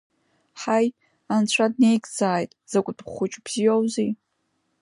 Ҳаи, анцәа днеигӡааит, дзакәытә хәыҷ бзиоузеи!